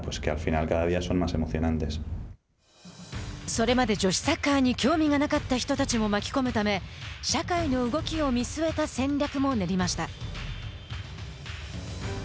それまで女子サッカーに興味がなかった人たちも巻き込むため社会の動きも見据えた戦略もとりました。